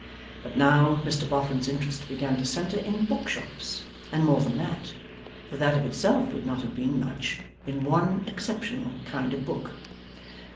But now, Mr Boffin's interest began to centre in book shops; and more than that for that of itself would not have been much in one exceptional kind of book.